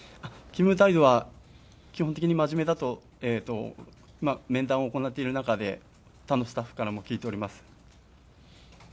勤務態度は基本的にまじめだと面談を行っている中で他のスタッフからも聞いております。